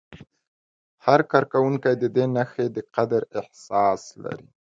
هر کارکوونکی د دې نښې د قدر احساس لري.